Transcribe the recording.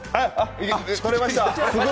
取れました。